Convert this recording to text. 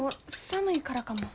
寒いからかも。